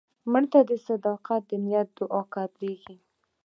مړه ته د صدق نیت دعا قبلیږي